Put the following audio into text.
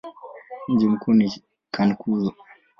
Mji mkuu ni Cankuzo.